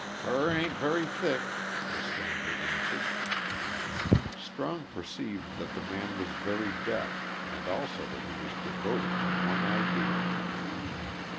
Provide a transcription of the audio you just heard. "Fur ain't very thick," the stranger answered. Strong perceived that the man was very deaf and also that he was devoted to one idea.